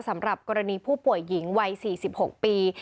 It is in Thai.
สำหรับกรณีผู้ป่วยหญิงวัย๔๖ปี